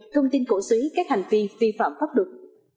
thông tin cổ suý các hành vi vi phạm pháp luật